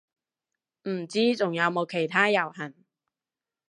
唔知仲有冇其他遊行